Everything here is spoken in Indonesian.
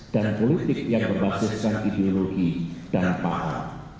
dan politik yang berbasis ideologi dan paham